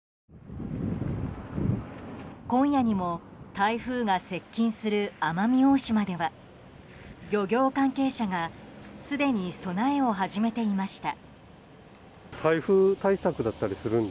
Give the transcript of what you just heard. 今夜にも台風が接近する奄美大島では漁業関係者がすでに備えを始めていました。